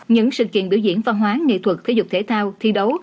những sự kiện biểu diễn văn hóa nghệ thuật thể dục thể thao thi đấu